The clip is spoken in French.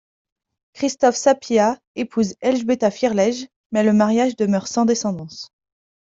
Krzysztof Sapieha épouse Elzbieta Firlej, mais le mariage demeure sans descendance.